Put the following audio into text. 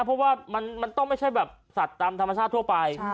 เพราะว่ามันต้องไม่ใช่แบบสัตว์ตามธรรมชาติทั่วไป